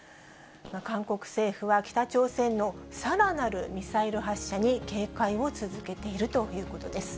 韓国政府は、北朝鮮のさらなるミサイル発射に警戒を続けているということです。